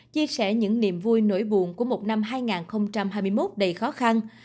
chia sẻ những niềm vui nỗi buồn của một năm hai nghìn hai mươi một đầy khó khăn